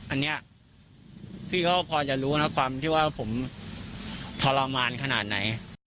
อันนี้พี่ก็พอจะรู้นะความที่ว่าผมทรมานขนาดไหน